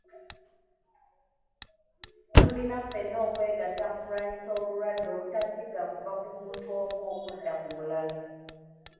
Tulina ffenna okwegatta mu kulwanyisa obulwadde obutasiiga kuva ku muntu omu okudda ku mulala.